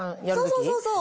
そうそうそうそう！